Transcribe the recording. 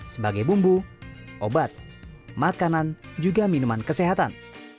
sebagai bumbu obat makanan juga minuman kesehatan